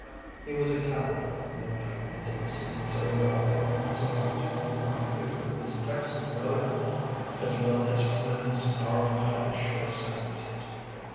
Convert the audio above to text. " He was a capital mimic and did the scene so well that one saw the tall gaunt figure of his Texan brother in law, as well as heard him snarling out his short sentences.